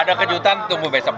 ada kejutan tunggu besok